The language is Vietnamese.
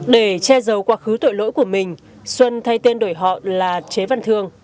để che giấu quá khứ tội lỗi của mình xuân thay tên đổi họ là chế văn thương